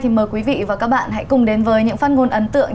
thì mời quý vị và các bạn hãy cùng đến với những phát ngôn ấn tượng